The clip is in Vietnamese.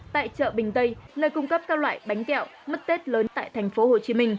tại chợ bình tây nơi cung cấp các loại bánh kẹo mứt tết lớn tại tp hcm